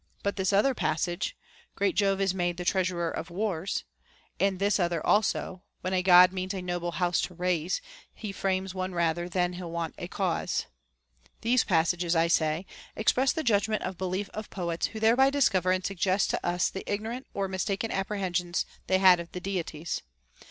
But this other passage, — Great Jove is made the treasurer of wars ;* and this other also, — When a God means a noble house to raze, lie frames one rather than he'll want a cause : t these passages, I say, express the judgment and belief of poets who thereby discover and suggest to us the ignorant or mistaken apprehensions they had of the Deities.